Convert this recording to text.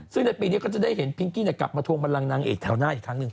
ซึ่งในปีนี้ก็จะได้เห็นพิงกี้กลับมาทวงบันลังนางเอกแถวหน้าอีกครั้งหนึ่ง